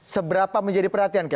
seberapa menjadi perhatian